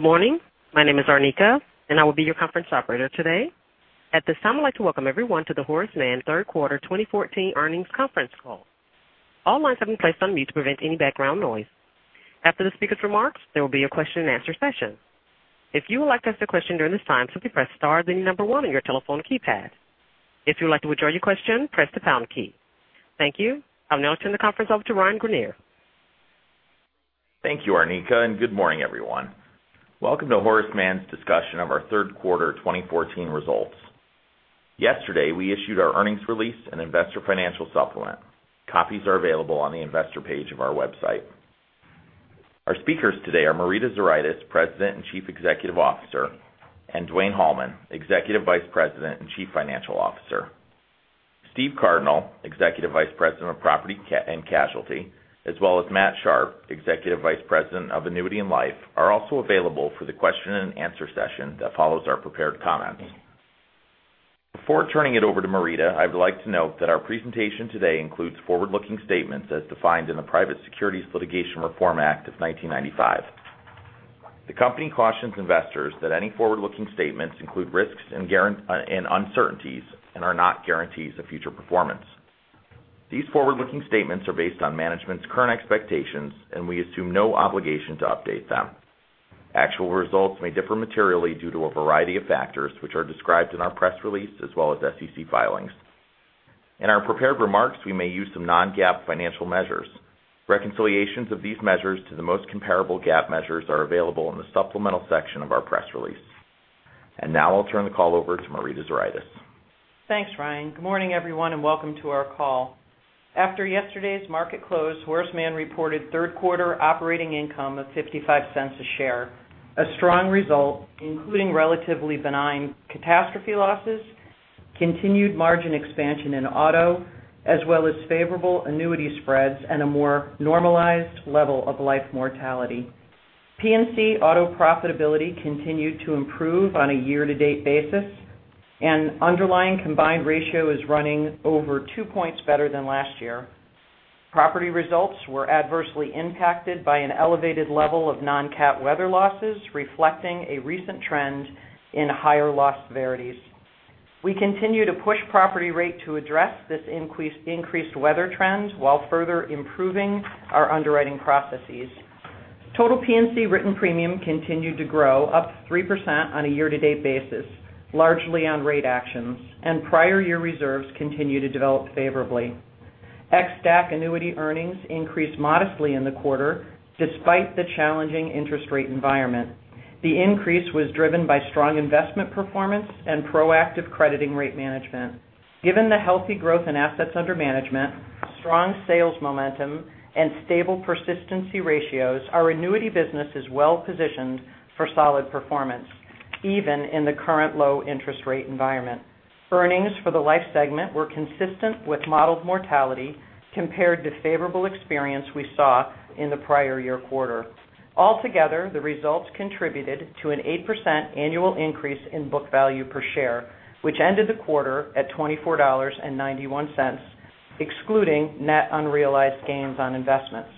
Good morning. My name is Arnica, and I will be your conference operator today. At this time, I'd like to welcome everyone to the Horace Mann third quarter 2014 earnings conference call. All lines have been placed on mute to prevent any background noise. After the speaker's remarks, there will be a question and answer session. If you would like to ask a question during this time, simply press star, then number one on your telephone keypad. If you would like to withdraw your question, press the pound key. Thank you. I'll now turn the conference over to Ryan Greenier. Thank you, Arnica, and good morning, everyone. Welcome to Horace Mann's discussion of our third quarter 2014 results. Yesterday, we issued our earnings release and investor financial supplement. Copies are available on the investor page of our website. Our speakers today are Marita Zuraitis, President and Chief Executive Officer, and Dwayne Hohmann, Executive Vice President and Chief Financial Officer. Steve Cardinal, Executive Vice President of Property and Casualty, as well as Matthew Sharpe, Executive Vice President of Annuity and Life, are also available for the question and answer session that follows our prepared comments. Before turning it over to Marita, I would like to note that our presentation today includes forward-looking statements as defined in the Private Securities Litigation Reform Act of 1995. The company cautions investors that any forward-looking statements include risks and uncertainties and are not guarantees of future performance. These forward-looking statements are based on management's current expectations, and we assume no obligation to update them. Actual results may differ materially due to a variety of factors, which are described in our press release as well as SEC filings. In our prepared remarks, we may use some non-GAAP financial measures. Reconciliations of these measures to the most comparable GAAP measures are available in the supplemental section of our press release. And now I'll turn the call over to Marita Zuraitis. Thanks, Ryan. Good morning, everyone, and welcome to our call. After yesterday's market close, Horace Mann reported third quarter operating income of $0.55 a share, a strong result, including relatively benign catastrophe losses, continued margin expansion in auto, as well as favorable annuity spreads and a more normalized level of life mortality. P&C auto profitability continued to improve on a year-to-date basis, and underlying combined ratio is running over two points better than last year. Property results were adversely impacted by an elevated level of non-cat weather losses, reflecting a recent trend in higher loss severities. We continue to push property rate to address this increased weather trends while further improving our underwriting processes. Total P&C written premium continued to grow up 3% on a year-to-date basis, largely on rate actions, and prior year reserves continue to develop favorably. XStack annuity earnings increased modestly in the quarter despite the challenging interest rate environment. The increase was driven by strong investment performance and proactive crediting rate management. Given the healthy growth in assets under management, strong sales momentum, and stable persistency ratios, our annuity business is well-positioned for solid performance, even in the current low interest rate environment. Earnings for the life segment were consistent with modeled mortality compared to favorable experience we saw in the prior year quarter. Altogether, the results contributed to an 8% annual increase in book value per share, which ended the quarter at $24.91, excluding net unrealized gains on investments.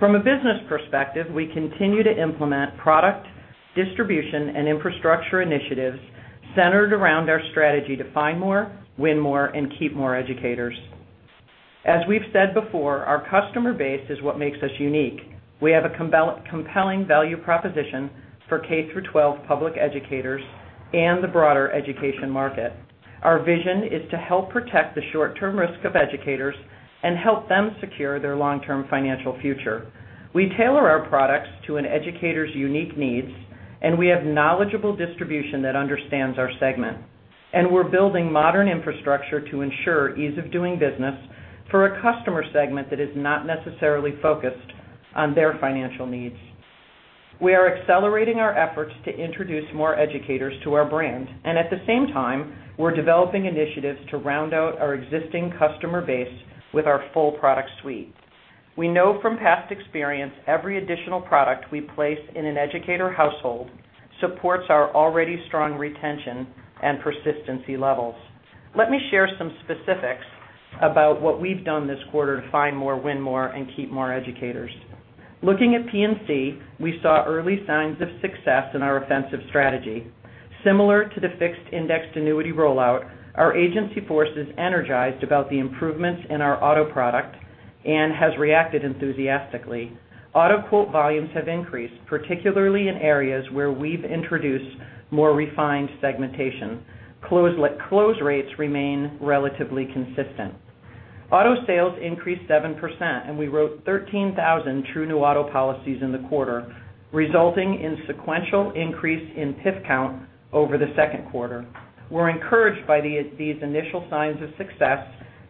From a business perspective, we continue to implement product, distribution, and infrastructure initiatives centered around our strategy to find more, win more, and keep more educators. As we've said before, our customer base is what makes us unique. We have a compelling value proposition for K through 12 public educators and the broader education market. Our vision is to help protect the short-term risk of educators and help them secure their long-term financial future. We tailor our products to an educator's unique needs, and we have knowledgeable distribution that understands our segment. We're building modern infrastructure to ensure ease of doing business for a customer segment that is not necessarily focused on their financial needs. We are accelerating our efforts to introduce more educators to our brand, and at the same time, we're developing initiatives to round out our existing customer base with our full product suite. We know from past experience every additional product we place in an educator household supports our already strong retention and persistency levels. Let me share some specifics about what we've done this quarter to find more, win more, and keep more educators. Looking at P&C, we saw early signs of success in our offensive strategy. Similar to the fixed indexed annuity rollout, our agency force is energized about the improvements in our auto product and has reacted enthusiastically. Auto quote volumes have increased, particularly in areas where we've introduced more refined segmentation. Close rates remain relatively consistent. Auto sales increased 7%, and we wrote 13,000 true new auto policies in the quarter, resulting in sequential increase in PIF count over the second quarter. We're encouraged by these initial signs of success,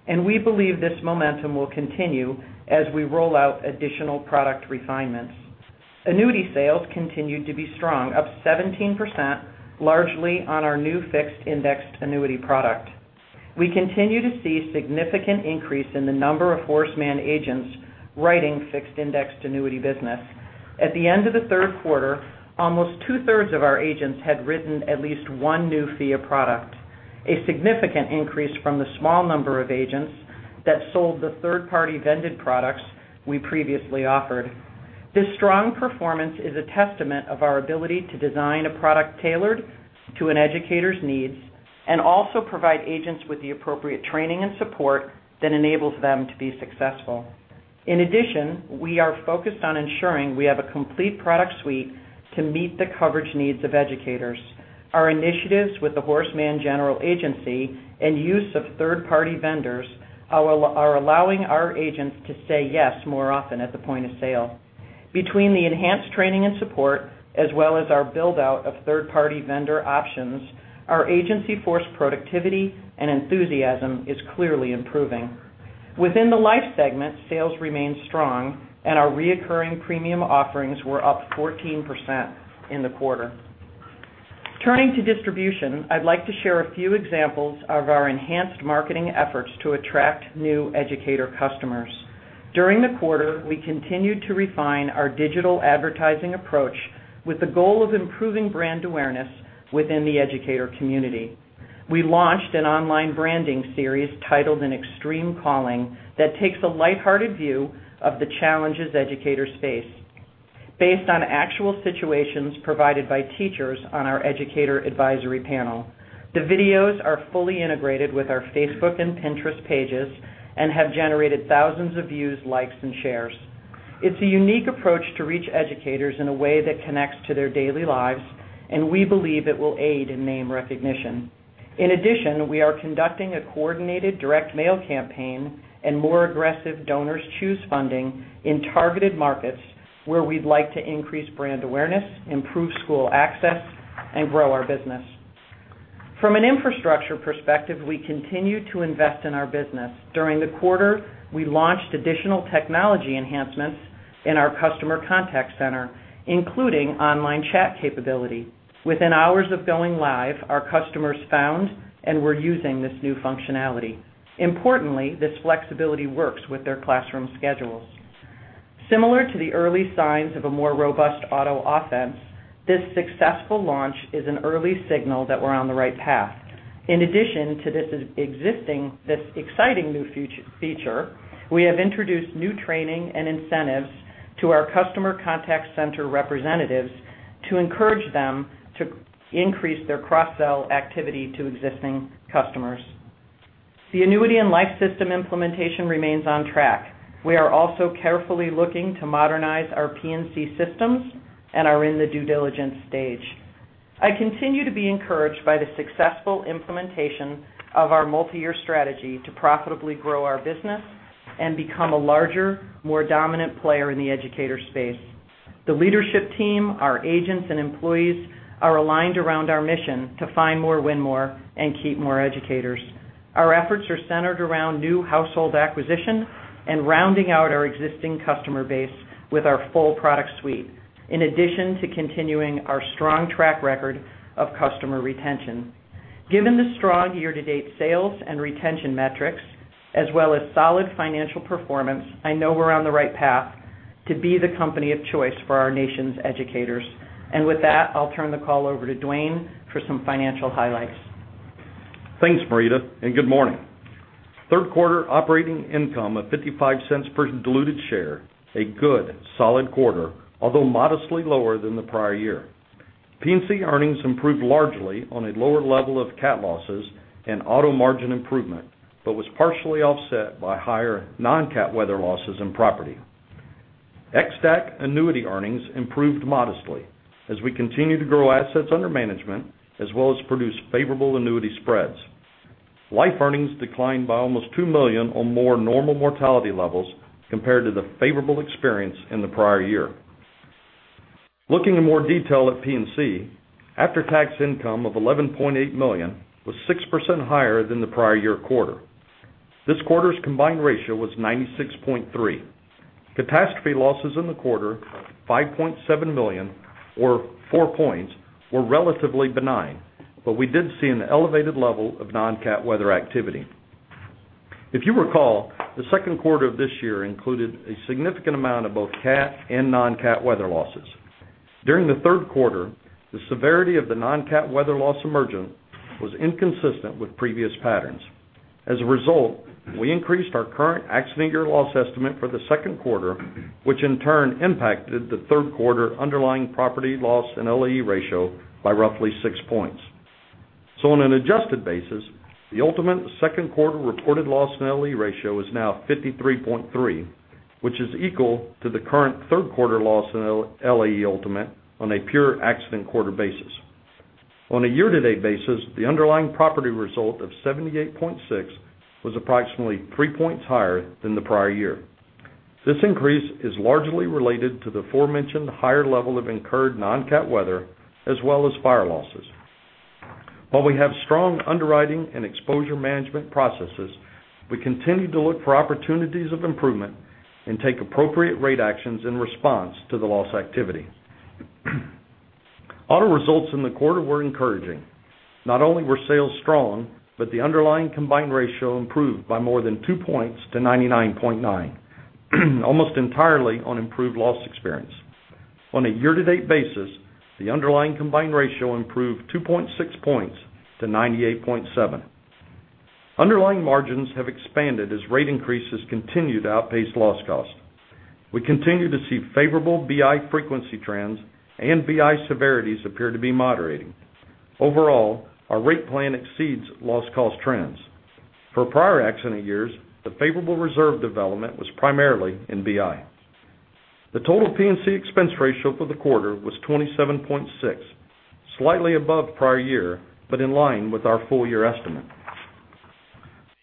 and we believe this momentum will continue as we roll out additional product refinements. Annuity sales continued to be strong, up 17%, largely on our new fixed indexed annuity product. We continue to see significant increase in the number of Horace Mann agents writing fixed indexed annuity business. At the end of the third quarter, almost two-thirds of our agents had written at least one new FIA product, a significant increase from the small number of agents that sold the third-party vended products we previously offered. This strong performance is a testament of our ability to design a product tailored to an educator's needs and also provide agents with the appropriate training and support that enables them to be successful. In addition, we are focused on ensuring we have a complete product suite to meet the coverage needs of educators. Our initiatives with the Horace Mann General Agency and use of third-party vendors are allowing our agents to say yes more often at the point of sale. Between the enhanced training and support, as well as our build-out of third-party vendor options, our agency force productivity and enthusiasm is clearly improving. Within the life segment, sales remain strong, and our reoccurring premium offerings were up 14% in the quarter. Turning to distribution, I'd like to share a few examples of our enhanced marketing efforts to attract new educator customers. During the quarter, we continued to refine our digital advertising approach with the goal of improving brand awareness within the educator community. We launched an online branding series titled "An Extreme Calling" that takes a lighthearted view of the challenges educators face based on actual situations provided by teachers on our educator advisory panel. The videos are fully integrated with our Facebook and Pinterest pages and have generated thousands of views, likes, and shares. It's a unique approach to reach educators in a way that connects to their daily lives. We believe it will aid in name recognition. In addition, we are conducting a coordinated direct mail campaign and more aggressive DonorsChoose funding in targeted markets where we'd like to increase brand awareness, improve school access, and grow our business. From an infrastructure perspective, we continue to invest in our business. During the quarter, we launched additional technology enhancements in our customer contact center, including online chat capability. Within hours of going live, our customers found and were using this new functionality. Importantly, this flexibility works with their classroom schedules. Similar to the early signs of a more robust auto offense, this successful launch is an early signal that we're on the right path. In addition to this exciting new feature, we have introduced new training and incentives to our customer contact center representatives to encourage them to increase their cross-sell activity to existing customers. The Annuity and Life system implementation remains on track. We are also carefully looking to modernize our P&C systems and are in the due diligence stage. I continue to be encouraged by the successful implementation of our multi-year strategy to profitably grow our business and become a larger, more dominant player in the educator space. The leadership team, our agents, and employees are aligned around our mission to find more, win more, and keep more educators. Our efforts are centered around new household acquisition and rounding out our existing customer base with our full product suite, in addition to continuing our strong track record of customer retention. Given the strong year-to-date sales and retention metrics, as well as solid financial performance, I know we're on the right path to be the company of choice for our nation's educators. With that, I'll turn the call over to Dwayne for some financial highlights. Thanks, Marita, and good morning. Third quarter operating income of $0.55 per diluted share, a good, solid quarter, although modestly lower than the prior year. P&C earnings improved largely on a lower level of cat losses and auto margin improvement but was partially offset by higher non-cat weather losses and property. Ex-DAC annuity earnings improved modestly as we continue to grow assets under management as well as produce favorable annuity spreads. Life earnings declined by almost $2 million on more normal mortality levels compared to the favorable experience in the prior year. Looking in more detail at P&C, after-tax income of $11.8 million was 6% higher than the prior year quarter. This quarter's combined ratio was 96.3. Catastrophe losses in the quarter, $5.7 million, or four points, were relatively benign, but we did see an elevated level of non-cat weather activity. You recall, the second quarter of this year included a significant amount of both cat and non-cat weather losses. During the third quarter, the severity of the non-cat weather loss emergent was inconsistent with previous patterns. As a result, we increased our current accident year loss estimate for the second quarter, which in turn impacted the third quarter underlying property loss and LAE ratio by roughly six points. On an adjusted basis, the ultimate second quarter reported loss in LAE ratio is now 53.3, which is equal to the current third quarter loss in LAE ultimate on a pure accident quarter basis. On a year-to-date basis, the underlying property result of 78.6 was approximately three points higher than the prior year. This increase is largely related to the aforementioned higher level of incurred non-cat weather as well as fire losses. While we have strong underwriting and exposure management processes, we continue to look for opportunities of improvement and take appropriate rate actions in response to the loss activity. Auto results in the quarter were encouraging. Not only were sales strong, but the underlying combined ratio improved by more than two points to 99.9, almost entirely on improved loss experience. On a year-to-date basis, the underlying combined ratio improved 2.6 points to 98.7. Underlying margins have expanded as rate increases continue to outpace loss cost. We continue to see favorable BI frequency trends, and BI severities appear to be moderating. Overall, our rate plan exceeds loss cost trends. For prior accident years, the favorable reserve development was primarily in BI. The total P&C expense ratio for the quarter was 27.6, slightly above prior year, but in line with our full year estimate.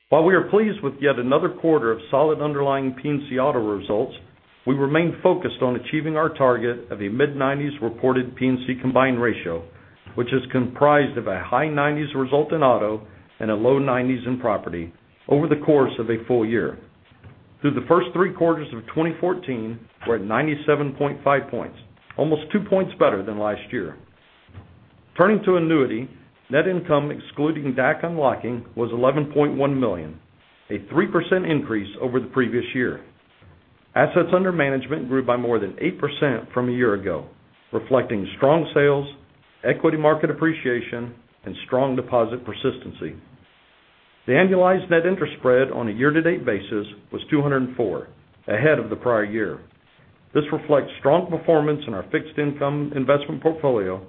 While we are pleased with yet another quarter of solid underlying P&C auto results, we remain focused on achieving our target of a mid-90s reported P&C combined ratio, which is comprised of a high 90s result in auto and a low 90s in property over the course of a full year. Through the first 3 quarters of 2014, we're at 97.5 points, almost two points better than last year. Turning to annuity, net income excluding DAC unlocking was $11.1 million, a 3% increase over the previous year. Assets under management grew by more than 8% from a year ago, reflecting strong sales, equity market appreciation, and strong deposit persistency. The annualized net interest spread on a year-to-date basis was 204, ahead of the prior year. This reflects strong performance in our fixed income investment portfolio,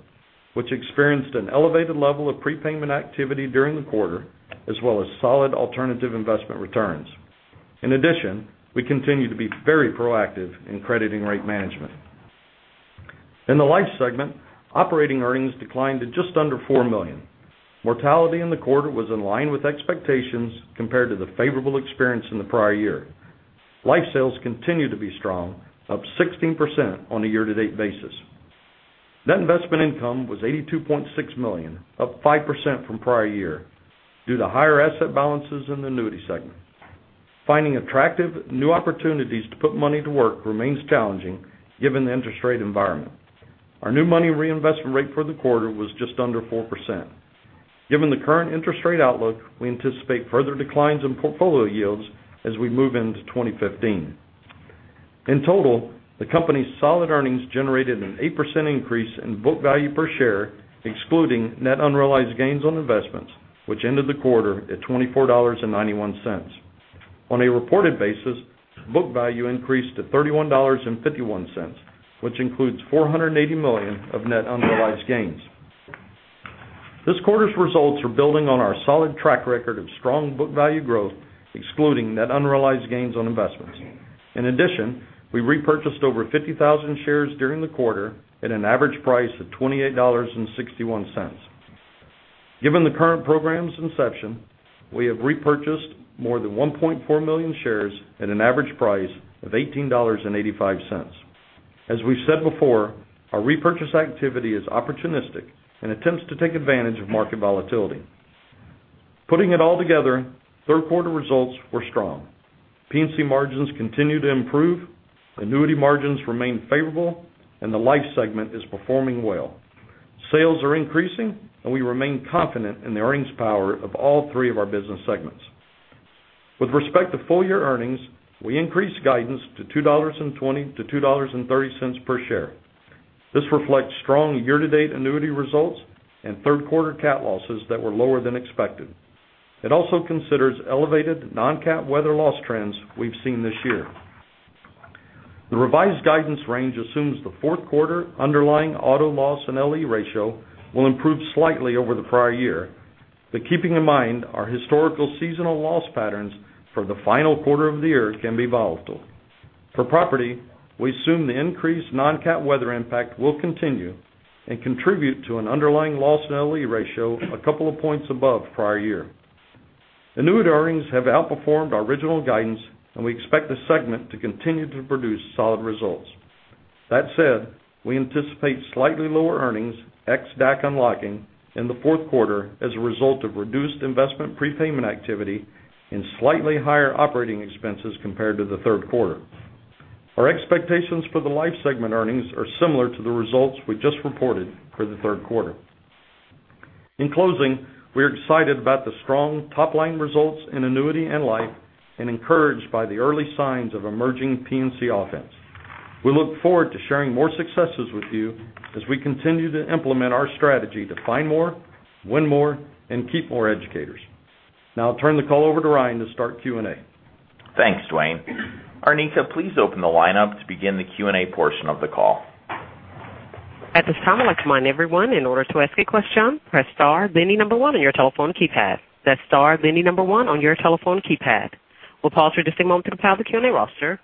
which experienced an elevated level of prepayment activity during the quarter, as well as solid alternative investment returns. In addition, we continue to be very proactive in crediting rate management. In the life segment, operating earnings declined to just under $4 million. Mortality in the quarter was in line with expectations compared to the favorable experience in the prior year. Life sales continue to be strong, up 16% on a year-to-date basis. Net investment income was $82.6 million, up 5% from prior year, due to higher asset balances in the annuity segment. Finding attractive new opportunities to put money to work remains challenging given the interest rate environment. Our new money reinvestment rate for the quarter was just under 4%. Given the current interest rate outlook, we anticipate further declines in portfolio yields as we move into 2015. In total, the company's solid earnings generated an 8% increase in book value per share, excluding net unrealized gains on investments, which ended the quarter at $24.91. On a reported basis, book value increased to $31.51, which includes $480 million of net unrealized gains. This quarter's results are building on our solid track record of strong book value growth, excluding net unrealized gains on investments. In addition, we repurchased over 50,000 shares during the quarter at an average price of $28.61. Given the current program's inception, we have repurchased more than 1.4 million shares at an average price of $18.85. As we've said before, our repurchase activity is opportunistic and attempts to take advantage of market volatility. Putting it all together, third quarter results were strong. P&C margins continue to improve, annuity margins remain favorable, and the life segment is performing well. Sales are increasing, we remain confident in the earnings power of all three of our business segments. With respect to full year earnings, we increased guidance to $2.20-$2.30 per share. This reflects strong year-to-date annuity results and third quarter cat losses that were lower than expected. It also considers elevated non-cat weather loss trends we've seen this year. The revised guidance range assumes the fourth quarter underlying auto loss and LAE ratio will improve slightly over the prior year, keeping in mind our historical seasonal loss patterns for the final quarter of the year can be volatile. For property, we assume the increased non-cat weather impact will continue and contribute to an underlying loss and LAE ratio a couple of points above prior year. Annuity earnings have outperformed our original guidance, and we expect the segment to continue to produce solid results. That said, we anticipate slightly lower earnings Ex-DAC unlocking in the fourth quarter as a result of reduced investment prepayment activity and slightly higher operating expenses compared to the third quarter. Our expectations for the life segment earnings are similar to the results we just reported for the third quarter. In closing, we are excited about the strong top-line results in annuity and life and encouraged by the early signs of emerging P&C offense. We look forward to sharing more successes with you as we continue to implement our strategy to find more, win more, and keep more educators. Now I'll turn the call over to Ryan to start Q&A. Thanks, Dwayne. Arnica, please open the lineup to begin the Q&A portion of the call. At this time, I'd like to remind everyone, in order to ask a question, press star, then the number 1 on your telephone keypad. That's star, then the number 1 on your telephone keypad. We'll pause for just a moment to compile the Q&A roster.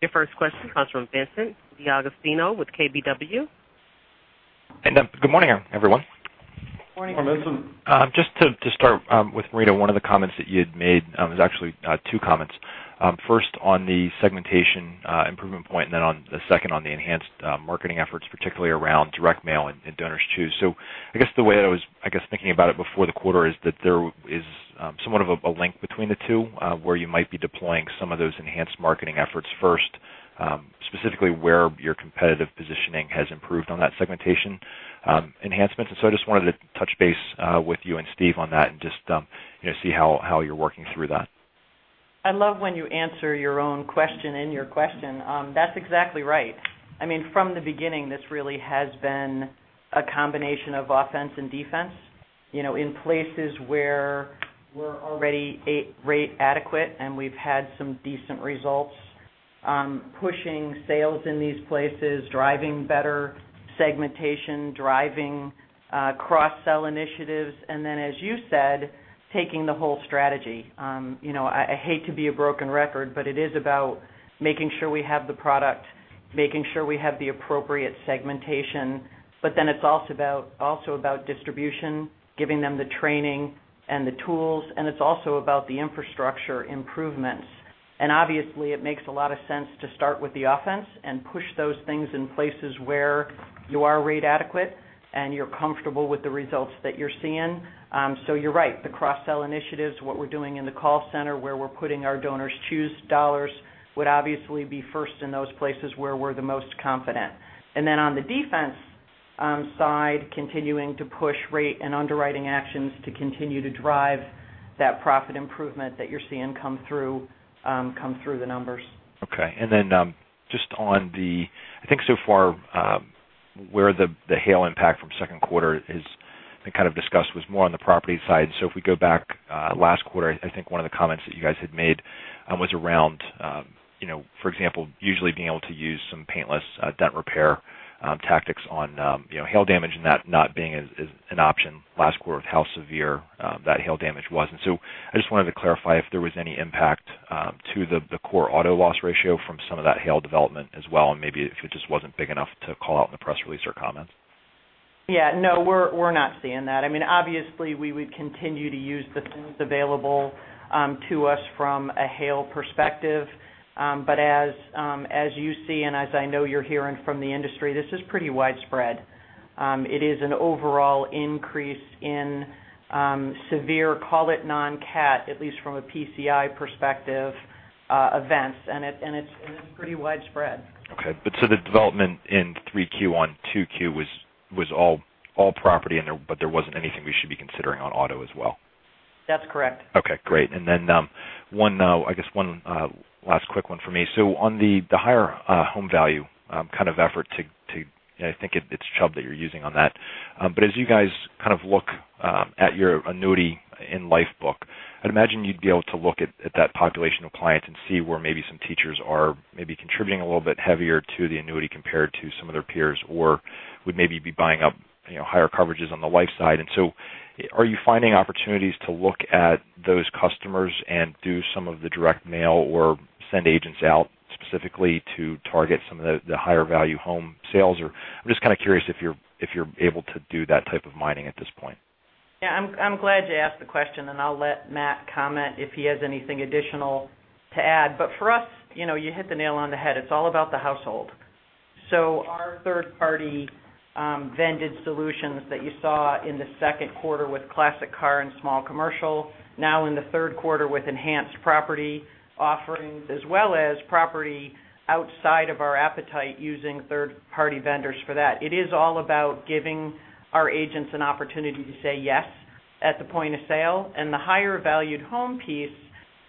Your first question comes from Vincent DeAugustino with KBW. Good morning, everyone. Morning. Just to start with Marita, one of the comments that you had made was actually two comments. First, on the segmentation improvement point, and then on the second on the enhanced marketing efforts, particularly around direct mail and DonorsChoose. I guess the way I was thinking about it before the quarter is that there is somewhat of a link between the two, where you might be deploying some of those enhanced marketing efforts first Specifically where your competitive positioning has improved on that segmentation enhancement. I just wanted to touch base with you and Steve on that and just see how you're working through that. I love when you answer your own question in your question. That's exactly right. From the beginning, this really has been a combination of offense and defense, in places where we're already rate adequate, and we've had some decent results, pushing sales in these places, driving better segmentation, driving cross-sell initiatives, and then, as you said, taking the whole strategy. I hate to be a broken record, but it is about making sure we have the product, making sure we have the appropriate segmentation, it's also about distribution, giving them the training and the tools, and it's also about the infrastructure improvements. Obviously, it makes a lot of sense to start with the offense and push those things in places where you are rate adequate and you're comfortable with the results that you're seeing. You're right, the cross-sell initiatives, what we're doing in the call center, where we're putting our DonorsChoose dollars, would obviously be first in those places where we're the most confident. On the defense side, continuing to push rate and underwriting actions to continue to drive that profit improvement that you're seeing come through the numbers. Okay. I think so far, where the hail impact from second quarter is, I think, kind of discussed, was more on the property side. If we go back last quarter, I think one of the comments that you guys had made was around, for example, usually being able to use some paintless dent repair tactics on hail damage and that not being an option last quarter with how severe that hail damage was. I just wanted to clarify if there was any impact to the core auto loss ratio from some of that hail development as well, and maybe if it just wasn't big enough to call out in the press release or comments. Yeah. No, we're not seeing that. Obviously, we would continue to use the tools available to us from a hail perspective. As you see, and as I know you're hearing from the industry, this is pretty widespread. It is an overall increase in severe, call it non-cat, at least from a PCS perspective, events. It's pretty widespread. Okay. The development in 3Q on 2Q was all property, but there wasn't anything we should be considering on auto as well? That's correct. Okay, great. I guess one last quick one for me. On the higher home value kind of effort to, I think it's Chubb that you're using on that. As you guys look at your Annuity in Life Book, I'd imagine you'd be able to look at that population of clients and see where maybe some teachers are maybe contributing a little bit heavier to the annuity compared to some of their peers or would maybe be buying up higher coverages on the life side. Are you finding opportunities to look at those customers and do some of the direct mail or send agents out specifically to target some of the higher value home sales? I'm just kind of curious if you're able to do that type of mining at this point. I'm glad you asked the question, I'll let Matt comment if he has anything additional to add. For us, you hit the nail on the head. It's all about the household. Our third-party vended solutions that you saw in the second quarter with classic car and small commercial, now in the third quarter with enhanced property offerings, as well as property outside of our appetite using third-party vendors for that. It is all about giving our agents an opportunity to say yes at the point of sale. The higher valued home piece,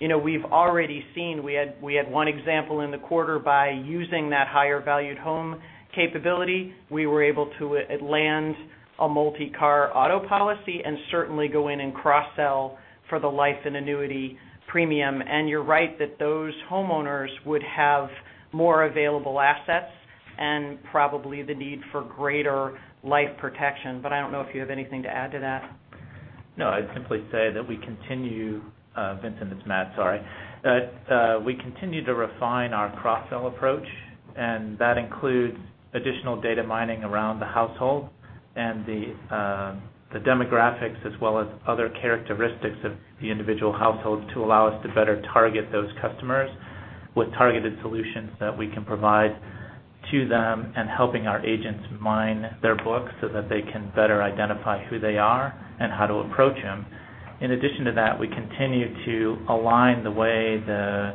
we've already seen, we had one example in the quarter by using that higher valued home capability, we were able to land a multi-car auto policy and certainly go in and cross-sell for the life and annuity premium. You're right that those homeowners would have more available assets and probably the need for greater life protection. I don't know if you have anything to add to that. No, I'd simply say that we continue, Vincent, it's Matt, sorry. We continue to refine our cross-sell approach, that includes additional data mining around the household and the demographics, as well as other characteristics of the individual households to allow us to better target those customers with targeted solutions that we can provide to them, helping our agents mine their books so that they can better identify who they are and how to approach them. In addition to that, we continue to align the way the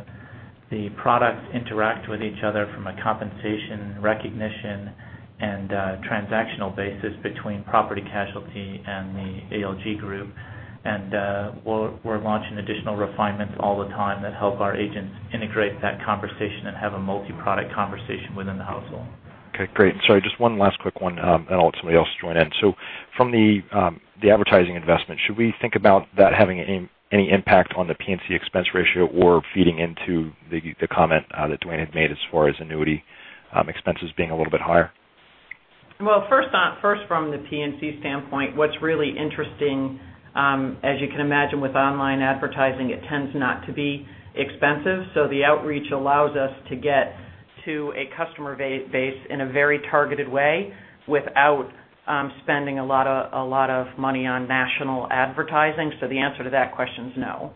products interact with each other from a compensation recognition and transactional basis between Property and Casualty and the A&L group. We're launching additional refinements all the time that help our agents integrate that conversation and have a multi-product conversation within the household. Okay, great. Sorry, just one last quick one, I'll let somebody else join in. From the advertising investment, should we think about that having any impact on the P&C expense ratio or feeding into the comment that Dwayne had made as far as annuity expenses being a little bit higher? first from the P&C standpoint, what's really interesting, as you can imagine with online advertising, it tends not to be expensive. The outreach allows us to get to a customer base in a very targeted way without spending a lot of money on national advertising. The answer to that question is no.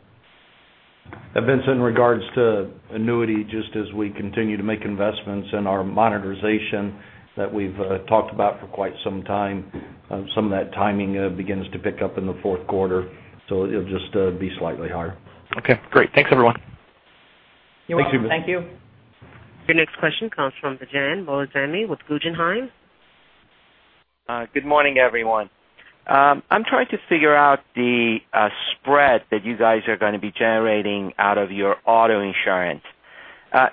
Vincent, in regards to annuity, just as we continue to make investments in our modernization that we've talked about for quite some time, some of that timing begins to pick up in the fourth quarter, so it'll just be slightly higher. Okay, great. Thanks, everyone. You're welcome. Thank you. Your next question comes from Bijan Moazami with Guggenheim. Good morning, everyone. I'm trying to figure out the spread that you guys are going to be generating out of your auto insurance.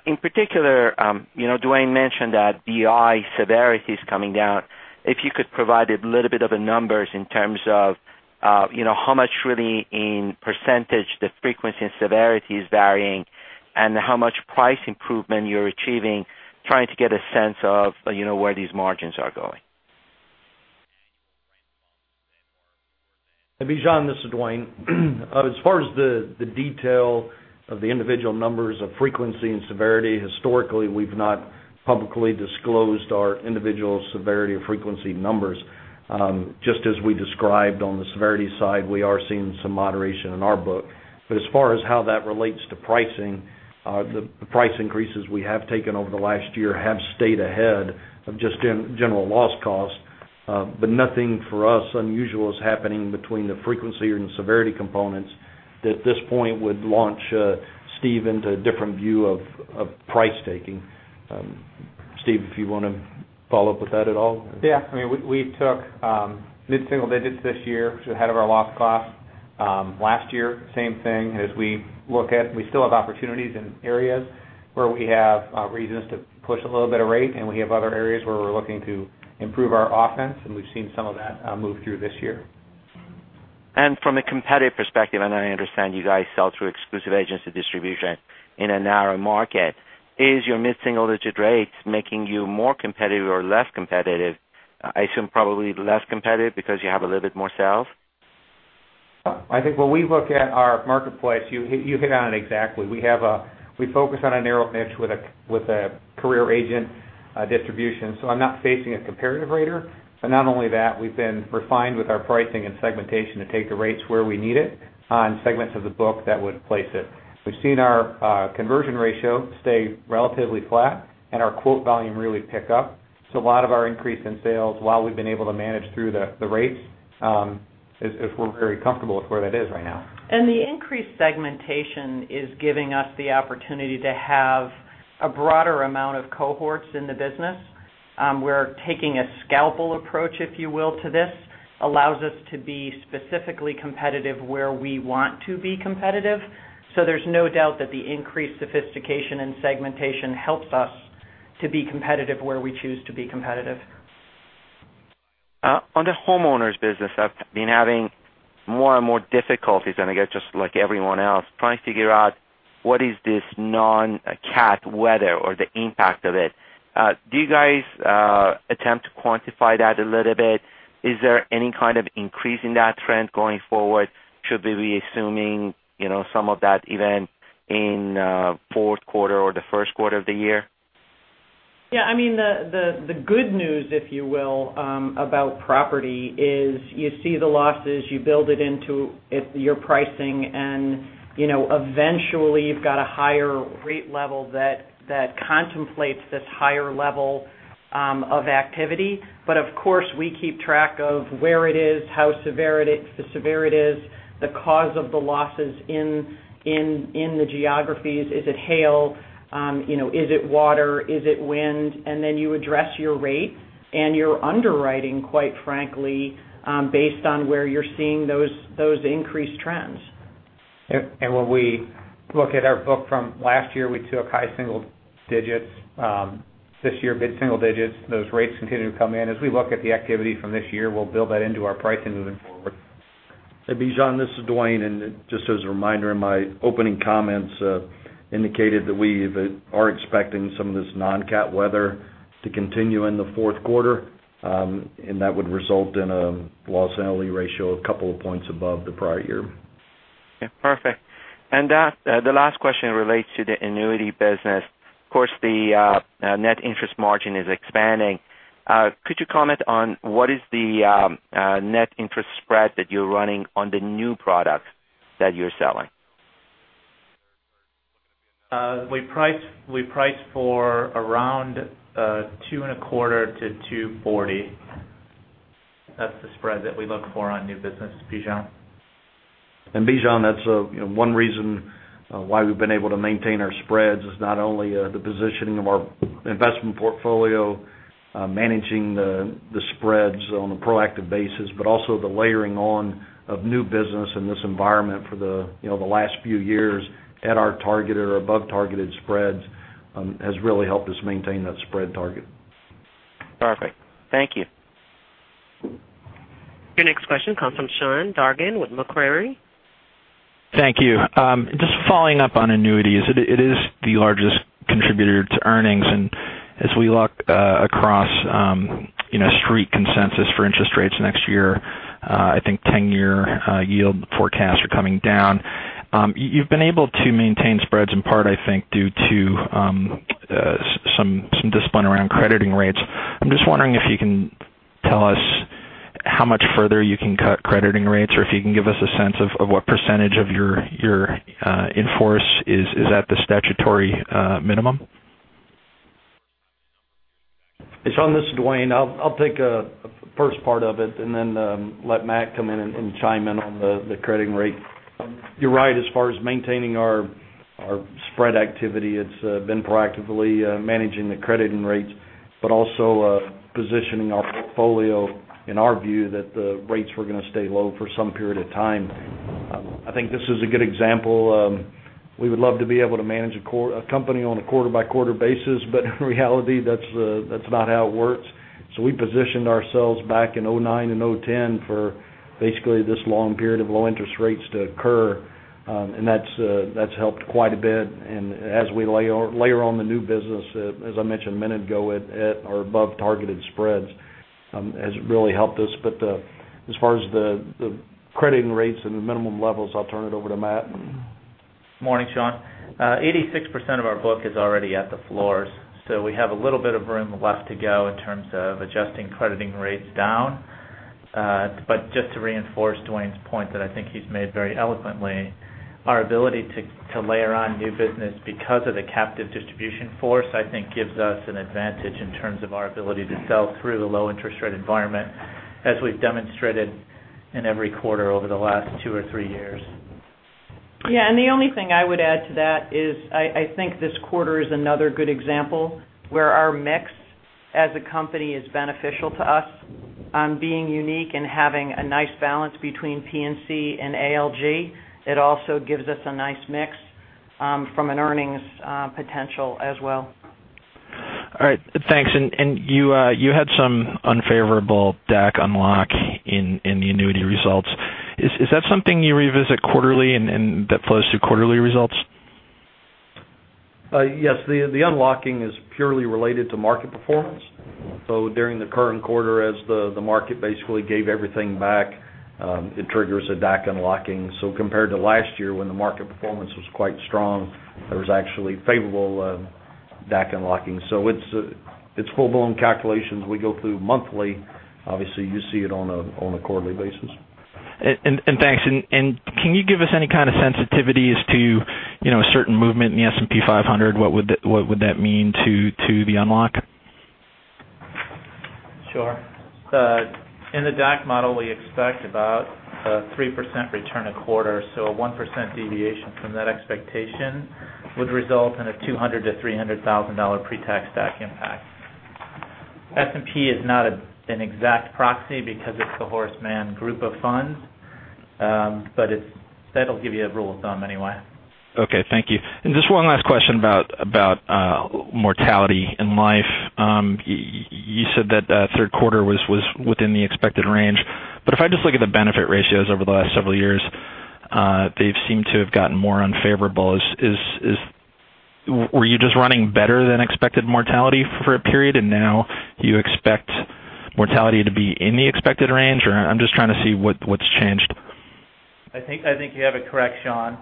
In particular, Dwayne mentioned that the high severity is coming down. If you could provide a little bit of the numbers in terms of how much really in % the frequency and severity is varying, and how much price improvement you're achieving, trying to get a sense of where these margins are going. Bijan, this is Dwayne. As far as the detail of the individual numbers of frequency and severity, historically, we've not publicly disclosed our individual severity or frequency numbers. Just as we described on the severity side, we are seeing some moderation in our book. As far as how that relates to pricing, the price increases we have taken over the last year have stayed ahead of just general loss cost. Nothing for us unusual is happening between the frequency and severity components that at this point would launch Steve into a different view of price taking. Steve, if you want to follow up with that at all? Yeah. We took mid-single digits this year, which is ahead of our loss cost. Last year, same thing. As we look at, we still have opportunities in areas where we have reasons to push a little bit of rate, and we have other areas where we're looking to improve our offense, and we've seen some of that move through this year. From a competitive perspective, and I understand you guys sell through exclusive agency distribution in a narrow market, is your mid-single-digit rates making you more competitive or less competitive? I assume probably less competitive because you have a little bit more sales. I think when we look at our marketplace, you hit on it exactly. We focus on a narrow niche with a career agent distribution. I'm not facing a comparative rater. Not only that, we've been refined with our pricing and segmentation to take the rates where we need it on segments of the book that would place it. We've seen our conversion ratio stay relatively flat and our quote volume really pick up. A lot of our increase in sales while we've been able to manage through the rates, is we're very comfortable with where that is right now. The increased segmentation is giving us the opportunity to have a broader amount of cohorts in the business. We're taking a scalpel approach, if you will, to this. This allows us to be specifically competitive where we want to be competitive. There's no doubt that the increased sophistication and segmentation helps us to be competitive where we choose to be competitive. On the homeowners business, I've been having more and more difficulties, and I get just like everyone else, trying to figure out what is this non-cat weather or the impact of it. Do you guys attempt to quantify that a little bit? Is there any kind of increase in that trend going forward? Should we be assuming some of that event in fourth quarter or the first quarter of the year? Yeah. The good news, if you will, about property is you see the losses, you build it into your pricing, and eventually you've got a higher rate level that contemplates this higher level of activity. Of course, we keep track of where it is, how severe it is, the cause of the losses in the geographies. Is it hail? Is it water? Is it wind? Then you address your rate and your underwriting, quite frankly, based on where you're seeing those increased trends. When we look at our book from last year, we took high single digits. This year, mid-single digits. Those rates continue to come in. As we look at the activity from this year, we'll build that into our pricing moving forward. Hey, Bijan, this is Dwayne, just as a reminder in my opening comments, indicated that we are expecting some of this non-cat weather to continue in the fourth quarter, that would result in a loss and LAE ratio a couple of points above the prior year. Yeah, perfect. The last question relates to the annuity business. Of course, the net interest margin is expanding. Could you comment on what is the net interest spread that you're running on the new products that you're selling? We price for around 2.25%-2.40%. That's the spread that we look for on new business, Bijan. Bijan, that's one reason why we've been able to maintain our spreads is not only the positioning of our investment portfolio, managing the spreads on a proactive basis, but also the layering on of new business in this environment for the last few years at our target or above targeted spreads has really helped us maintain that spread target. Perfect. Thank you. Your next question comes from Sean Dargan with Macquarie. Thank you. Just following up on annuities. As we look across street consensus for interest rates next year, I think 10-year yield forecasts are coming down. You've been able to maintain spreads in part, I think, due to some discipline around crediting rates. I'm just wondering if you can tell us how much further you can cut crediting rates, or if you can give us a sense of what percentage of your in force is at the statutory minimum. Sean, this is Dwayne. I'll take first part of it and then let Matt come in and chime in on the crediting rate. You're right as far as maintaining our spread activity, it's been proactively managing the crediting rates, but also positioning our portfolio in our view that the rates were going to stay low for some period of time. I think this is a good example. We would love to be able to manage a company on a quarter-by-quarter basis, but in reality that's not how it works. We positioned ourselves back in 2009 and 2010 for basically this long period of low interest rates to occur. That's helped quite a bit. As we layer on the new business, as I mentioned a minute ago, at or above targeted spreads, has really helped us. As far as the crediting rates and the minimum levels, I'll turn it over to Matt. Morning, Sean. 86% of our book is already at the floors, we have a little bit of room left to go in terms of adjusting crediting rates down. Just to reinforce Dwayne's point that I think he's made very eloquently, our ability to layer on new business because of the captive distribution force, I think gives us an advantage in terms of our ability to sell through the low interest rate environment as we've demonstrated in every quarter over the last two or three years. Yeah, the only thing I would add to that is I think this quarter is another good example where our mix as a company is beneficial to us, being unique and having a nice balance between P&C and A&L. It also gives us a nice mix from an earnings potential as well. All right. Thanks. You had some unfavorable DAC unlock in the annuity results. Is that something you revisit quarterly and that flows through quarterly results? Yes. The unlocking is purely related to market performance. During the current quarter, as the market basically gave everything back, it triggers a DAC unlocking. Compared to last year when the market performance was quite strong, there was actually favorable DAC unlocking. It's full-blown calculations we go through monthly. Obviously, you see it on a quarterly basis. And thanks. Can you give us any kind of sensitivity as to a certain movement in the S&P 500? What would that mean to the unlock? Sure. In the DAC model, we expect about a 3% return a quarter. A 1% deviation from that expectation would result in a $200,000-$300,000 pre-tax DAC impact. S&P is not an exact proxy because it's the Horace Mann group of funds. That'll give you a rule of thumb anyway. Okay. Thank you. Just one last question about mortality in Life. You said that third quarter was within the expected range. If I just look at the benefit ratios over the last several years, they seem to have gotten more unfavorable. Were you just running better than expected mortality for a period and now you expect mortality to be in the expected range? I'm just trying to see what's changed. I think you have it correct, Sean.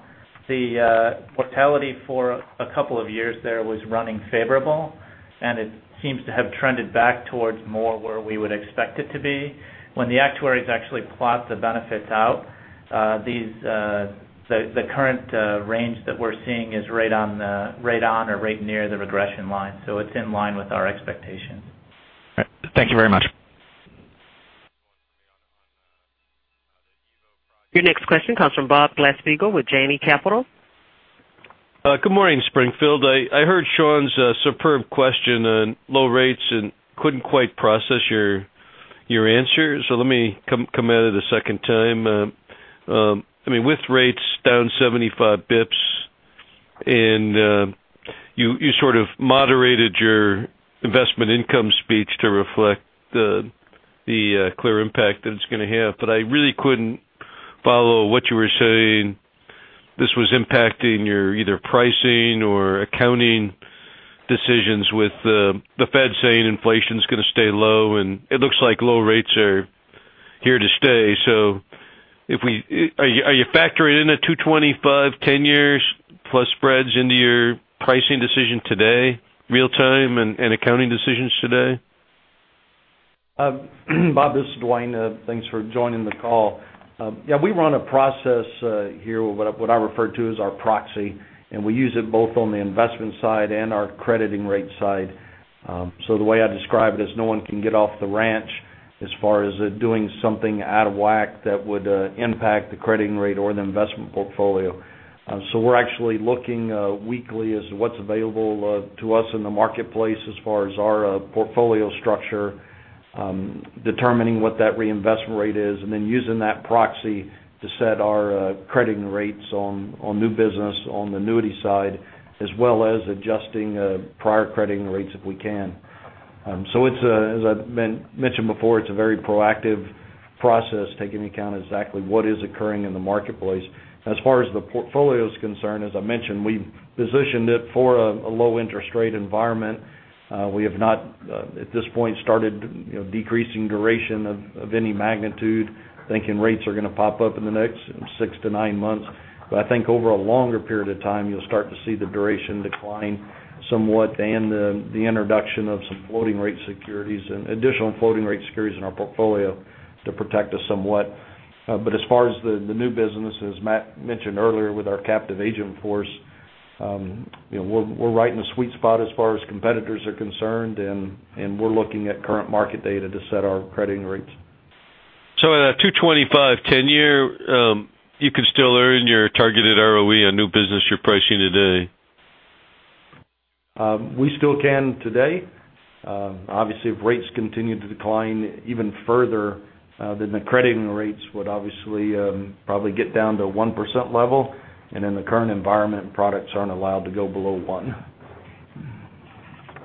The mortality for a couple of years there was running favorable, and it seems to have trended back towards more where we would expect it to be. When the actuaries actually plot the benefits out, the current range that we're seeing is right on or right near the regression line. It's in line with our expectations. Thank you very much. Your next question comes from Bob Glasspiegel with Janney Capital. Good morning, Springfield. I heard Sean's superb question on low rates and couldn't quite process your answer. Let me come at it a second time. With rates down 75 basis points, and you sort of moderated your investment income speech to reflect the clear impact that it's going to have. I really couldn't follow what you were saying. This was impacting your either pricing or accounting decisions with the Fed saying inflation's going to stay low, and it looks like low rates are here to stay. Are you factoring in a 225, 10 years plus spreads into your pricing decision today, real time, and accounting decisions today? Bob, this is Dwayne. Thanks for joining the call. Yeah, we run a process here, what I refer to as our proxy, and we use it both on the investment side and our crediting rate side. The way I describe it is no one can get off the ranch as far as doing something out of whack that would impact the crediting rate or the investment portfolio. We're actually looking weekly as to what's available to us in the marketplace as far as our portfolio structure, determining what that reinvestment rate is, and then using that proxy to set our crediting rates on new business on the annuity side, as well as adjusting prior crediting rates if we can. As I mentioned before, it's a very proactive process, taking into account exactly what is occurring in the marketplace. As far as the portfolio is concerned, as I mentioned, we've positioned it for a low interest rate environment. We have not, at this point, started decreasing duration of any magnitude, thinking rates are going to pop up in the next six to nine months. I think over a longer period of time, you'll start to see the duration decline somewhat and the introduction of some floating rate securities and additional floating rate securities in our portfolio to protect us somewhat. As far as the new business, as Matt mentioned earlier with our captive agent force, we're right in the sweet spot as far as competitors are concerned, and we're looking at current market data to set our crediting rates. At a 225 10-year, you can still earn your targeted ROE on new business you're pricing today? We still can today. Obviously, if rates continue to decline even further, then the crediting rates would obviously probably get down to 1% level. In the current environment, products aren't allowed to go below 1.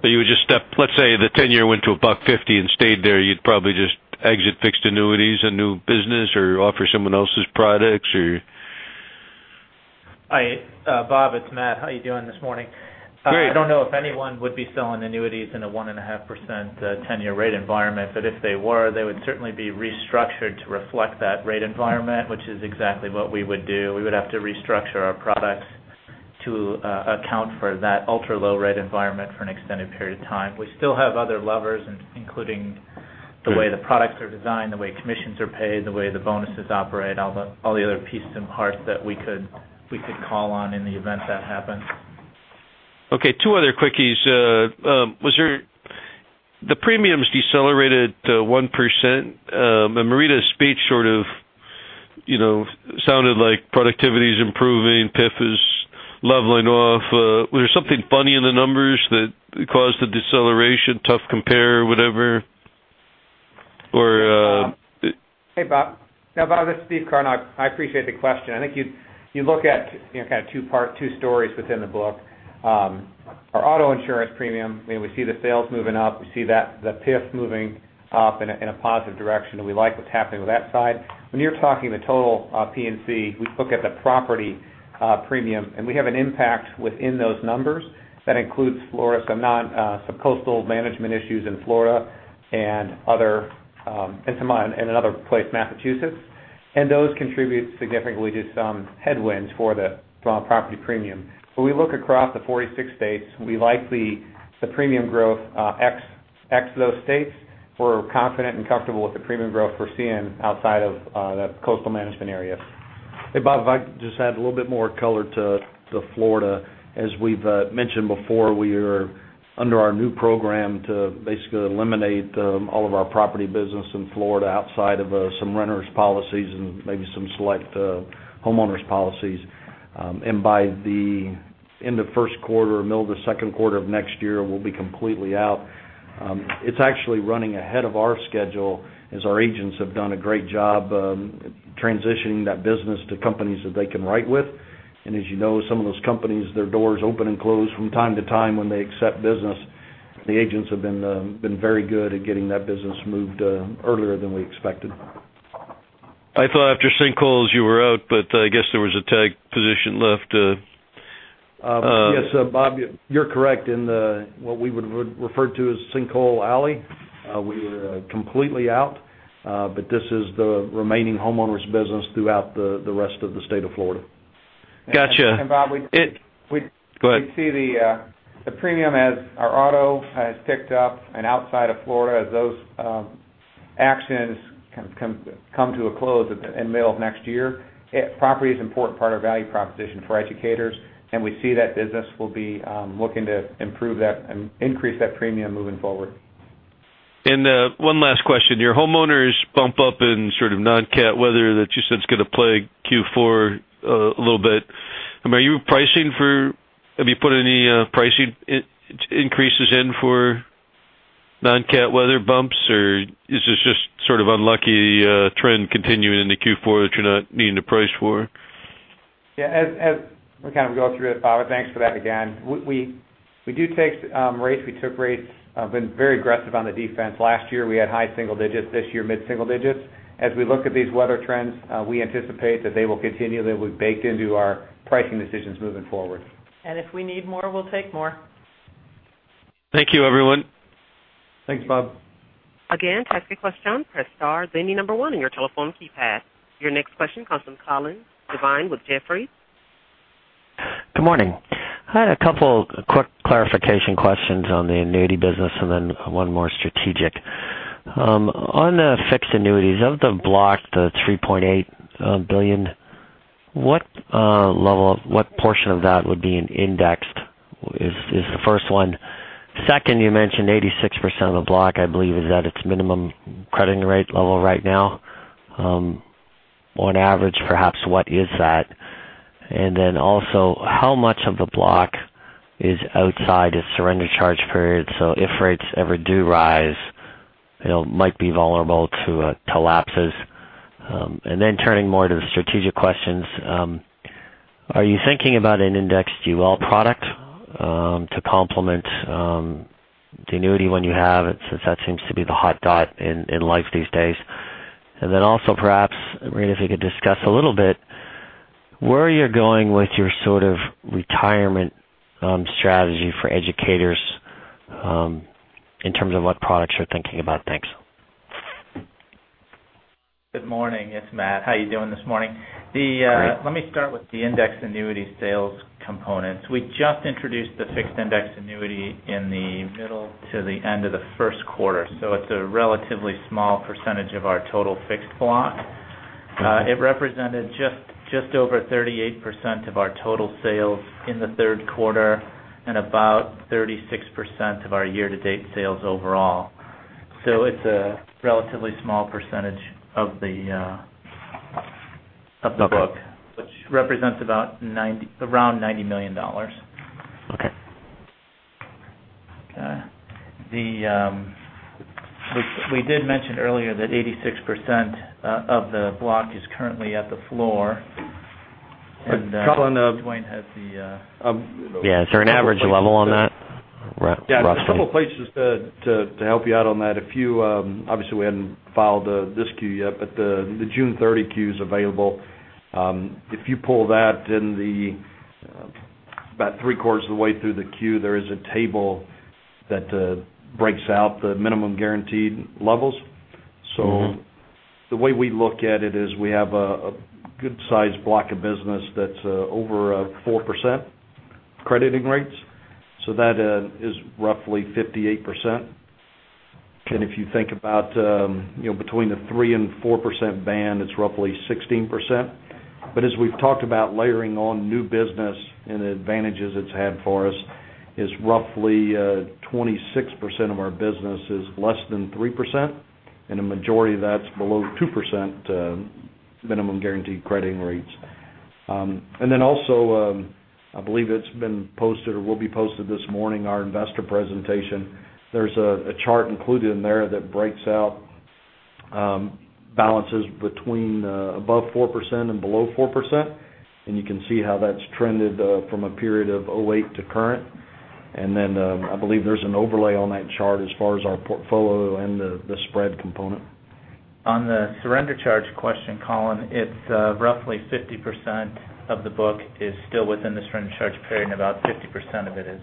You would just step, let's say, the 10-year went to $1.50 and stayed there. You'd probably just exit fixed annuities and new business or offer someone else's products or? Hi, Bob, it's Matt. How you doing this morning? Great. I don't know if anyone would be selling annuities in a 1.5% 10-year rate environment, but if they were, they would certainly be restructured to reflect that rate environment, which is exactly what we would do. We would have to restructure our products to account for that ultra low rate environment for an extended period of time. We still have other levers, including the way the products are designed, the way commissions are paid, the way the bonuses operate, all the other pieces and parts that we could call on in the event that happens. Okay, two other quickies. The premiums decelerated to 1%. Marita's speech sort of sounded like productivity is improving. PIF is leveling off. Was there something funny in the numbers that caused the deceleration? Tough compare or whatever? Hey, Bob. Yeah, Bob, this is Steve Cardinal. I appreciate the question. I think you look at kind of two stories within the book. Our auto insurance premium, we see the sales moving up. We see the PIF moving up in a positive direction, we like what's happening with that side. When you're talking the total P&C, we look at the property premium, we have an impact within those numbers. That includes some coastal management issues in Florida and another place, Massachusetts. Those contribute significantly to some headwinds for the property premium. We look across the 46 states. We like the premium growth ex those states. We're confident and comfortable with the premium growth we're seeing outside of the coastal management area. Hey, Bob, if I could just add a little bit more color to Florida. As we've mentioned before, we are under our new program to basically eliminate all of our property business in Florida outside of some renters policies and maybe some select homeowners policies. By end of first quarter, middle of the second quarter of next year, we'll be completely out. It's actually running ahead of our schedule as our agents have done a great job transitioning that business to companies that they can write with. As you know, some of those companies, their doors open and close from time to time when they accept business. The agents have been very good at getting that business moved earlier than we expected. I thought after sinkholes you were out, I guess there was a tag position left. Yes, Bob, you're correct. In what we would refer to as Sinkhole Alley, we are completely out. This is the remaining homeowners business throughout the rest of the state of Florida. Gotcha. Bob, Go ahead. We see the premium as our auto has ticked up and outside of Florida as those actions come to a close in the middle of next year. Property is an important part of our value proposition for Educators, we see that business will be looking to improve that and increase that premium moving forward. One last question. Your homeowners bump up in sort of non-cat weather that you said is going to play Q4 a little bit. Have you put any pricing increases in for non-cat weather bumps, or is this just sort of unlucky trend continuing into Q4 that you're not needing to price for? Yeah. As we kind of go through it, Bob, thanks for that again. We do take rates. We took rates, been very aggressive on the defense. Last year, we had high single digits. This year, mid-single digits. As we look at these weather trends, we anticipate that they will continue. They will be baked into our pricing decisions moving forward. If we need more, we'll take more. Thank you, everyone. Thanks, Bob. Again, to ask a question, press star, then the number 1 on your telephone keypad. Your next question comes from Colin Devine with Jefferies. Good morning. I had a couple quick clarification questions on the annuity business and then one more strategic. On the fixed annuities of the block, the $3.8 billion, what portion of that would be in indexed is the first one. Second, you mentioned 86% of the block, I believe, is at its minimum crediting rate level right now. On average, perhaps, what is that? And then also, how much of the block is outside its surrender charge period? So if rates ever do rise, it might be vulnerable to lapses. And then turning more to the strategic questions, are you thinking about an indexed UL product to complement the annuity when you have it, since that seems to be the hot dot in life these days? Also perhaps, Marita, if you could discuss a little bit where you're going with your sort of retirement strategy for Educators in terms of what products you're thinking about. Thanks. Good morning. It's Matt. How you doing this morning? Great. Let me start with the index annuity sales components. We just introduced the fixed indexed annuity in the middle to the end of the first quarter, so it's a relatively small percentage of our total fixed block It represented just over 38% of our total sales in the third quarter and about 36% of our year-to-date sales overall. It's a relatively small percentage of the book, which represents around $90 million. Okay. Okay. We did mention earlier that 86% of the block is currently at the floor. Colin- Dwayne has the- Yeah. Is there an average level on that, roughly? Yeah. There's a couple places to help you out on that. Obviously, we hadn't filed this Q yet, but the June 30 Q's available. If you pull that in about three-quarters of the way through the Q, there is a table that breaks out the minimum guaranteed levels. The way we look at it is we have a good size block of business that's over 4% crediting rates. That is roughly 58%. If you think about between the 3% and 4% band, it's roughly 16%. As we've talked about layering on new business and the advantages it's had for us is roughly 26% of our business is less than 3%, and a majority of that's below 2% minimum guaranteed crediting rates. Also, I believe it's been posted or will be posted this morning, our investor presentation. There's a chart included in there that breaks out balances between above 4% and below 4%, and you can see how that's trended from a period of 2008 to current. I believe there's an overlay on that chart as far as our portfolio and the spread component. On the surrender charge question, Colin, it's roughly 50% of the book is still within the surrender charge period, and about 50% of it is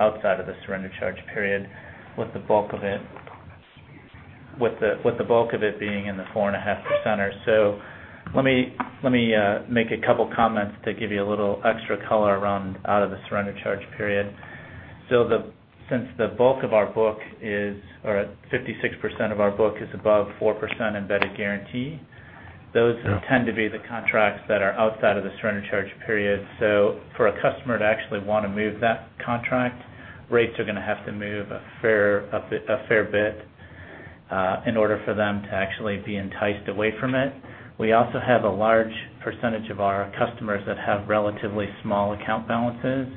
outside of the surrender charge period with the bulk of it being in the 4.5 percenters. Let me make two comments to give you a little extra color around out of the surrender charge period. Since the bulk of our book is, or 56% of our book is above 4% embedded guarantee, those tend to be the contracts that are outside of the surrender charge period. For a customer to actually want to move that contract, rates are going to have to move a fair bit in order for them to actually be enticed away from it. We also have a large percentage of our customers that have relatively small account balances.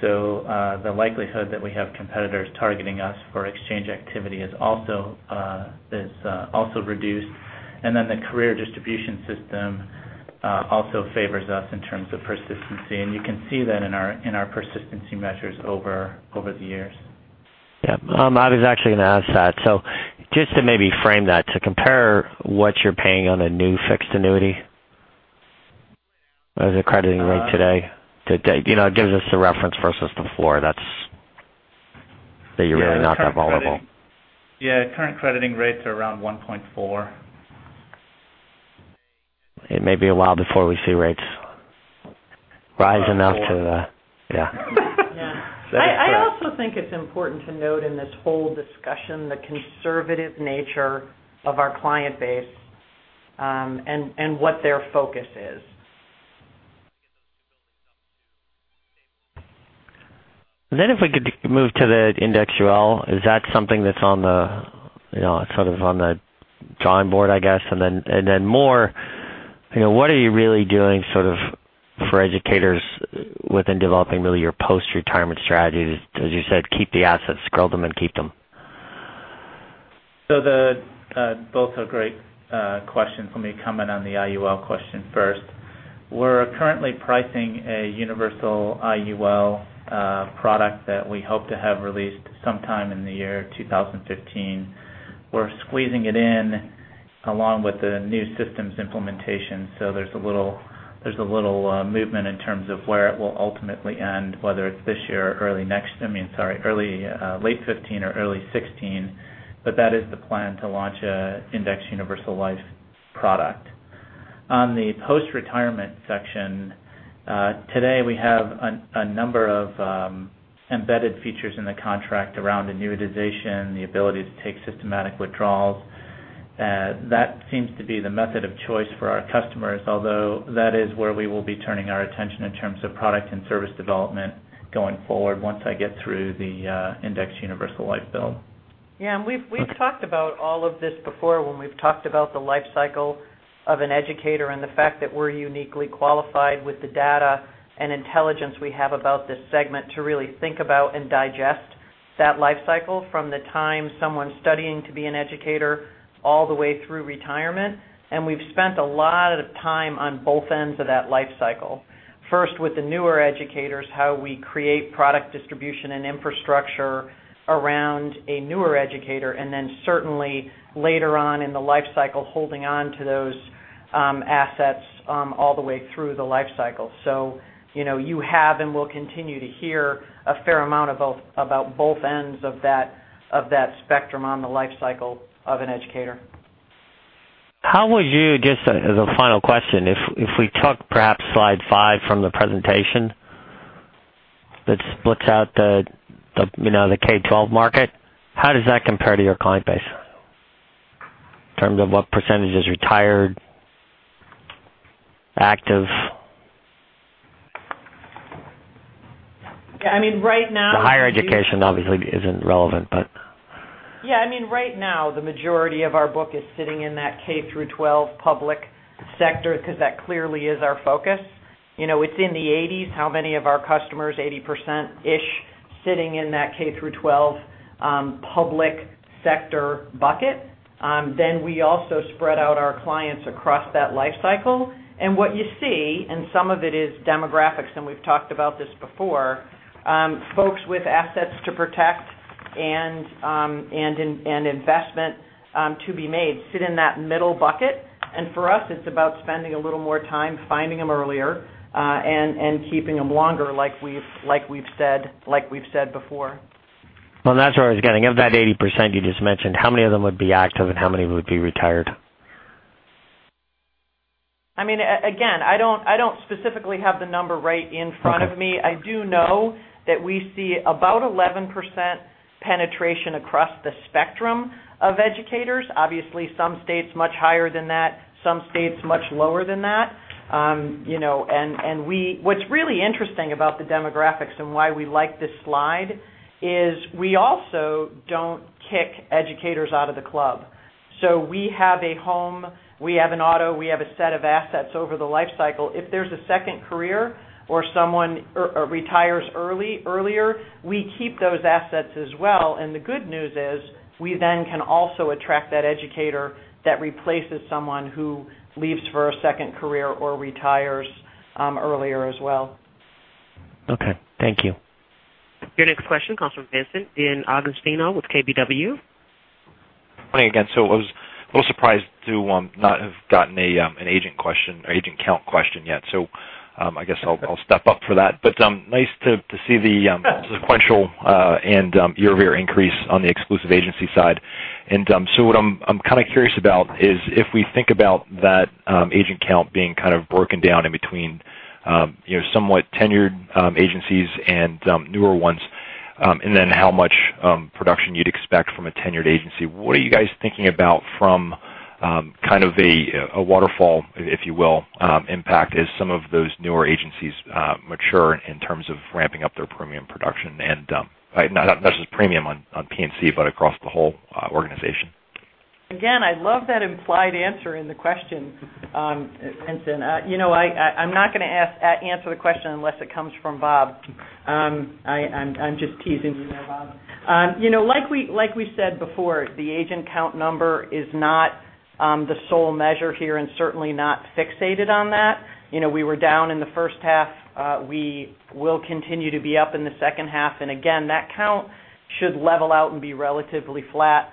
The likelihood that we have competitors targeting us for exchange activity is also reduced. The career distribution system also favors us in terms of persistency, and you can see that in our persistency measures over the years. Yep. I was actually going to ask that. Just to maybe frame that, to compare what you're paying on a new fixed annuity as a crediting rate today. It gives us a reference versus before that you're really not that vulnerable. Current crediting rates are around 1.4%. It may be a while before we see rates rise enough to the. I also think it's important to note in this whole discussion the conservative nature of our client base, and what their focus is. If we could move to the indexed UL, is that something that's on the drawing board, I guess? More, what are you really doing sort of for educators within developing really your post-retirement strategies? As you said, keep the assets, grow them, and keep them. Both are great questions. Let me comment on the IUL question first. We're currently pricing a universal IUL product that we hope to have released sometime in the year 2015. We're squeezing it in along with the new systems implementation, there's a little movement in terms of where it will ultimately end, whether it's this year or late 2015 or early 2016. That is the plan, to launch an indexed universal life product. On the post-retirement section, today we have a number of embedded features in the contract around annuitization, the ability to take systematic withdrawals. That seems to be the method of choice for our customers, although that is where we will be turning our attention in terms of product and service development going forward once I get through the indexed universal life build. We've talked about all of this before when we've talked about the life cycle of an educator and the fact that we're uniquely qualified with the data and intelligence we have about this segment to really think about and digest that life cycle from the time someone's studying to be an educator all the way through retirement. We've spent a lot of time on both ends of that life cycle. First, with the newer educators, how we create product distribution and infrastructure around a newer educator, and then certainly later on in the life cycle, holding on to those assets all the way through the life cycle. You have and will continue to hear a fair amount about both ends of that spectrum on the life cycle of an educator. How would you, just as a final question, if we took perhaps slide five from the presentation that splits out the K-12 market. How does that compare to your client base in terms of what percentage is retired, active? I mean, right now. The higher education obviously isn't relevant. Yeah. I mean, right now, the majority of our book is sitting in that K through 12 public sector because that clearly is our focus. It's in the 80s, how many of our customers, 80%-ish sitting in that K through 12 public sector bucket. We also spread out our clients across that life cycle. What you see, and some of it is demographics, and we've talked about this before, folks with assets to protect and investment to be made sit in that middle bucket. For us, it's about spending a little more time finding them earlier, and keeping them longer like we've said before. Well, that's where I was getting. Of that 80% you just mentioned, how many of them would be active and how many would be retired? I don't specifically have the number right in front of me. Okay. I do know that we see about 11% penetration across the spectrum of educators. Obviously, some states much higher than that, some states much lower than that. What's really interesting about the demographics and why we like this slide is we also don't kick educators out of the club. We have a home, we have an auto, we have a set of assets over the life cycle. If there's a second career or someone retires earlier, we keep those assets as well. The good news is, we then can also attract that educator that replaces someone who leaves for a second career or retires earlier as well. Okay. Thank you. Your next question comes from Vincent DeAugustino with KBW. Hi again. I was a little surprised to not have gotten an agent count question yet. I guess I'll step up for that. Yeah sequential and year-over-year increase on the exclusive agency side. What I'm kind of curious about is if we think about that agent count being kind of broken down in between somewhat tenured agencies and newer ones, and then how much production you'd expect from a tenured agency. What are you guys thinking about from kind of a waterfall, if you will, impact as some of those newer agencies mature in terms of ramping up their premium production and, not just premium on P&C, but across the whole organization? I love that implied answer in the question, Vincent. I'm not going to answer the question unless it comes from Bob. I'm just teasing you there, Bob. Like we said before, the agent count number is not the sole measure here and certainly not fixated on that. We were down in the first half. We will continue to be up in the second half. That count should level out and be relatively flat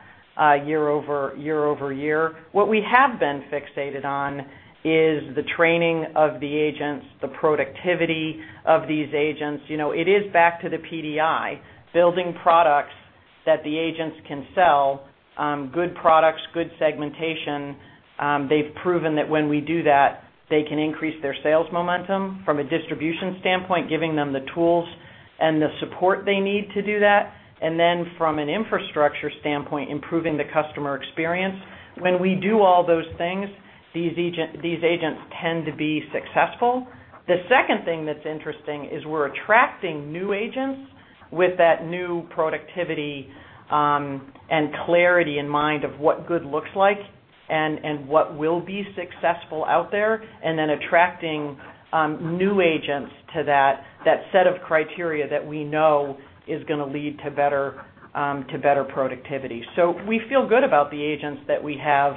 year-over-year. What we have been fixated on is the training of the agents, the productivity of these agents. It is back to the PDI, building products that the agents can sell, good products, good segmentation. They've proven that when we do that, they can increase their sales momentum from a distribution standpoint, giving them the tools and the support they need to do that. From an infrastructure standpoint, improving the customer experience. When we do all those things, these agents tend to be successful. The second thing that's interesting is we're attracting new agents with that new productivity and clarity in mind of what good looks like and what will be successful out there, and then attracting new agents to that set of criteria that we know is going to lead to better productivity. We feel good about the agents that we have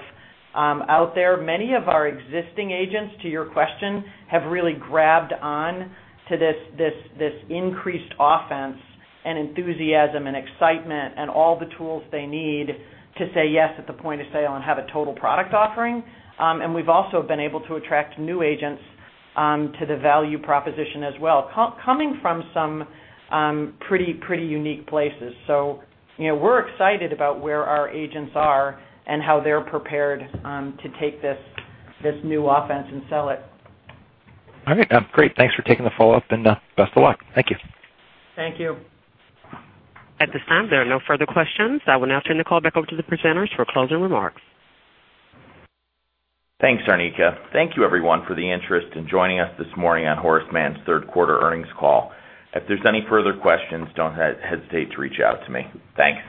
out there. Many of our existing agents, to your question, have really grabbed on to this increased offense and enthusiasm and excitement and all the tools they need to say yes at the point of sale and have a total product offering. We've also been able to attract new agents to the value proposition as well, coming from some pretty unique places. We're excited about where our agents are and how they're prepared to take this new offense and sell it. All right. Great. Thanks for taking the follow-up, and best of luck. Thank you. Thank you. At this time, there are no further questions. I will now turn the call back over to the presenters for closing remarks. Thanks, Arnica. Thank you everyone for the interest in joining us this morning on Horace Mann's third quarter earnings call. If there's any further questions, don't hesitate to reach out to me. Thanks.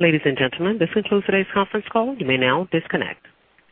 Ladies and gentlemen, this concludes today's conference call. You may now disconnect.